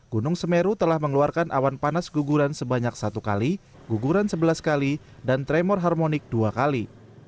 gunung semeru telah mengeluarkan awan panas guguran sebanyak satu kali guguran sebelas kali dan tremor harmonik dua kali